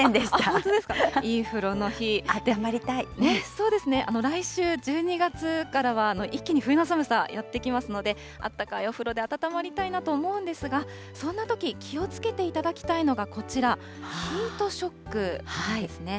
そうですね、来週、１２月からは一気に冬の寒さ、やって来ますので、あったかいお風呂であたたまりたいなと思うんですが、そんなとき、気をつけていただきたいのがこちら、ヒートショックなんですね。